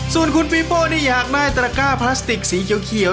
ส่วนคุณปีโป้นี่อยากได้ตระก้าพลาสติกสีเขียว